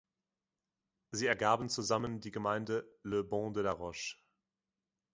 Sie ergaben zusammen die Gemeinde Le Ban-de-la-Roche.